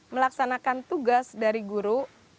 melaksanakan tugas dari guru